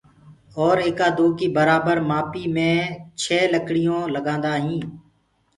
اور ايڪآ دو ڪي برآبر مآپي مي ڇي لڪڙيو لگآندآ هينٚ